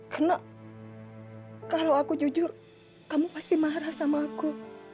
karena kalau aku jujur kamu pasti marah sama aku